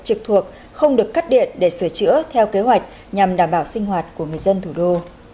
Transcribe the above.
trực thuộc không được cắt điện để sửa chữa theo kế hoạch nhằm đảm bảo sinh hoạt của người dân thủ đô